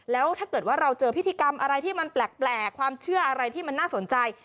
แล้วถ้าเกิดว่าเราเจอพิธีกรรมอะไรที่มันแปลกความเชื่ออะไรที่มันน่าสนใจ